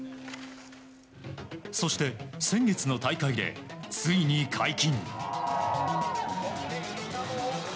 そして、先月の大会でついに解禁。